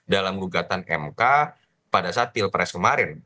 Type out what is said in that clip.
dalam gugatan mk pada saat pilpres kemarin